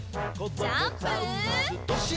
ジャンプ！